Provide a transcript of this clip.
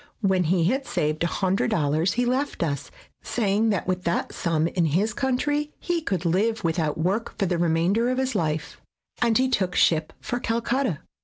When he had saved $100 he left us, saying that with that sum in his country he could live without work for the remainder of his life, and he took ship for Calcutta.